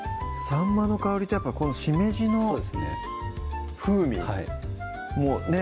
さんまの香りとやっぱこのしめじの風味もね